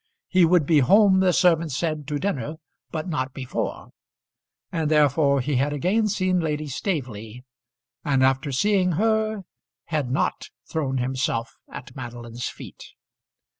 He would be home, the servant said, to dinner, but not before; and therefore he had again seen Lady Staveley, and after seeing her had not thrown himself at Madeline's feet.